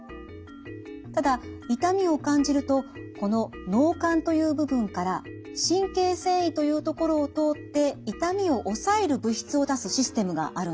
ただ痛みを感じるとこの脳幹という部分から神経線維というところを通って痛みをおさえる物質を出すシステムがあるんです。